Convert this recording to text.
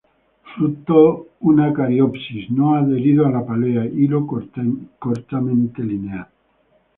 Fruto una cariopsis, no adherido a la pálea; hilo cortamente linear.